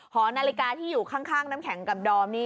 หอนาฬิกาที่อยู่ข้างน้ำแข็งกับดอมนี่